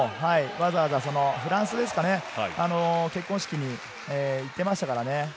わざわざフランスですかね、結婚式に行ってましたからね。